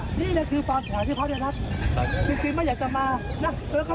ลงเดี่ยวเย็นน่ะ